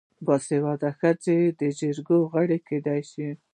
باسواده ښځې د جرګو غړې کیدی شي.